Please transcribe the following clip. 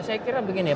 saya kira begini ya